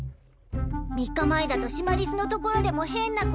３日前だとシマリスのところでも変なことが。